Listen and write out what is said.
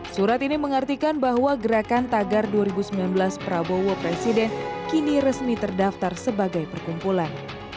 surat ini mengartikan bahwa gerakan tagar dua ribu sembilan belas prabowo presiden kini resmi terdaftar sebagai perkumpulan